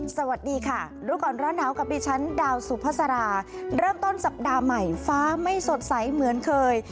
สวัสดีค่ะรู้ก่อนร้อนหนาวกับดิฉันดาวสุภาษาเริ่มต้นสัปดาห์ใหม่ฟ้าไม่สดใสเหมือนเคย